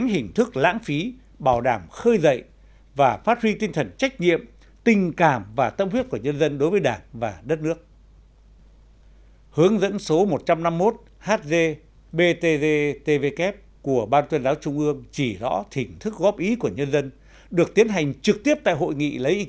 giảm bầu nhiệt huyết và tinh thần trách nhiệm của một bộ phận quần chúng